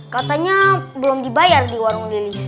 katanya belum dibayar di warung lili